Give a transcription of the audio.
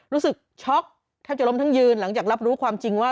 ช็อกแทบจะล้มทั้งยืนหลังจากรับรู้ความจริงว่า